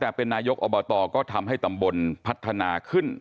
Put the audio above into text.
แต่เป็นนายกอบตก็ทำให้ตำบลพัฒนาขึ้น